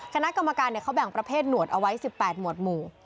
คณะกรรมการเขาแบ่งประเภทหนวดเอาไว้๑๘หมวดหมู่